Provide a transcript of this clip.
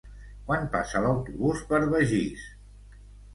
Quan passa l'autobús per Begís?